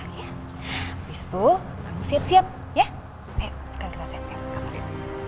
habis itu kamu siap siap ya ayo sekalian kita siap siap ke kamarnya